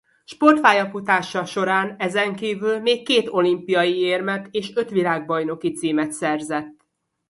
Sportpályafutása során ezen kívül még két olimpiai érmet és öt világbajnoki címet szerzett.